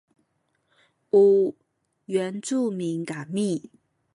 u yuancumin kami